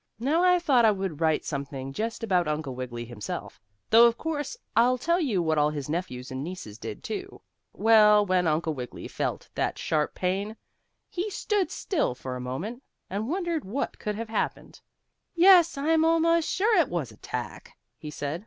Now I thought I would write something just about Uncle Wiggily himself, though of course I'll tell you what all his nephews and nieces did, too. Well, when Uncle Wiggily felt that sharp pain, he stood still for a moment, and wondered what could have happened. "Yes, I'm almost sure it was a tack," he said.